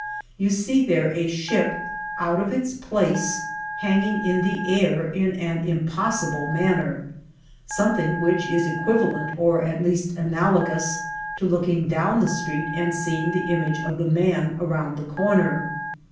You see there a ship " out of its place/' hanging in the air in an impossible manner — something which is equivalent, or at least analogous, to looking down the street and seeing the image of the man around the comer.